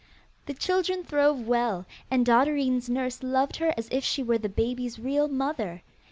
The children throve well, and Dotterine's nurse loved her as if she were the baby's real mother.